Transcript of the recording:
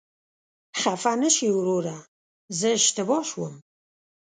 خفه نشې وروره، زه اشتباه شوم.